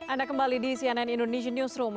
anda kembali di cnn indonesian newsroom